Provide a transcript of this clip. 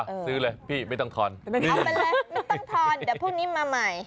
ซื้อเลยพี่ไม่ต้องทอนเอาไปเลยไม่ต้องทอนเดี๋ยวพรุ่งนี้มาใหม่